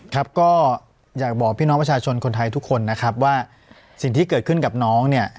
ครับก็อยากบอกพี่น้องประชาชนคนไทยทุกคนนะครับว่าสิ่งที่เกิดขึ้นกับน้องเนี่ย